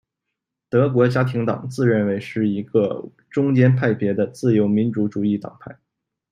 德国家庭党自认为是一个中间派别的自由民主主义党派。